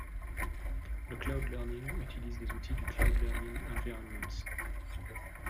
Le cloud learning utilise les outils du Cloud learning environments.